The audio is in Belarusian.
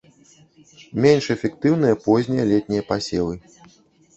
Менш эфектыўныя познія летнія пасевы.